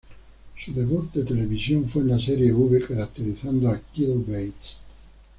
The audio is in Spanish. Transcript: Su debut de televisión fue en la serie "V" caracterizando a "Kyle Bates".